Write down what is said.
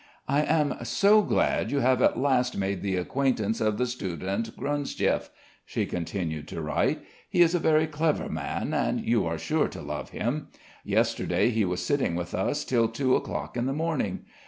"I am so glad you have at last made the acquaintance of the student Gronsdiev," she continued to write. "He is a very clever man, and you are sure to love him. Yesterday he was sitting with us till two o'clock in the morning.